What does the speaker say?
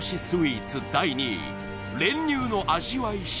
スイーツ第２位練乳の味わい